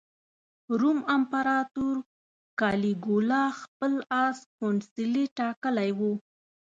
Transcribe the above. روم امپراطور کالیګولا خپل اس کونسلي ټاکلی و.